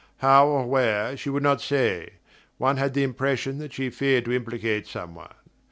How or where she would not say one had the impression that she feared to implicate some one.